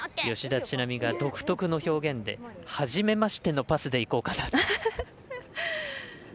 吉田知那美が独特の表現で「はじめましてのパスでいこうか」と。